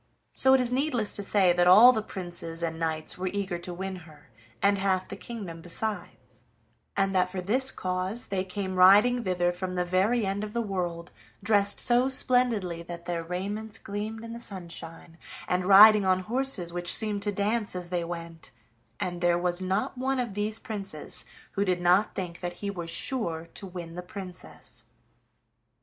So it is needless to say that all the princes and knights were eager to win her, and half the kingdom besides, and that for this cause they came riding thither from the very end of the world, dressed so splendidly that their raiments gleamed in the sunshine, and riding on horses which seemed to dance as they went, and there was not one of these princes who did not think that he was sure to win the Princess.